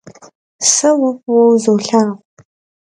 Se vue f'ıue vuzolhağu.